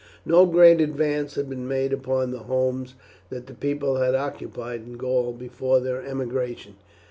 No great advance had been made upon the homes that the people had occupied in Gaul before their emigration.